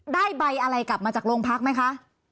ได้ใบอะไรกลับมาจากโรงพักไหมคะ